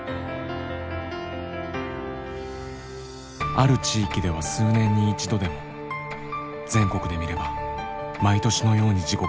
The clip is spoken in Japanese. ある地域では数年に一度でも全国で見れば毎年のように事故が発生。